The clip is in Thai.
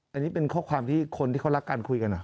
อันนี้เป็นข้อความที่คนที่เขารักกันคุยกัน